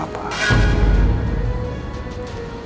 saat kau kebetulan